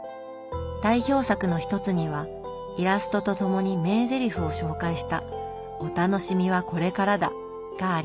代表作の一つにはイラストとともに名ゼリフを紹介した「お楽しみはこれからだ」があります。